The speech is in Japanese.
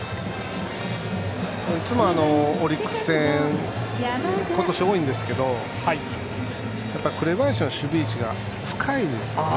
オリックス戦今年多いんですけどやっぱり紅林の守備位置が深いですよね。